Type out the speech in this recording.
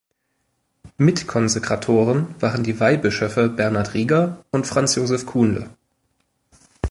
Mitkonsekratoren waren die Weihbischöfe Bernhard Rieger und Franz Josef Kuhnle.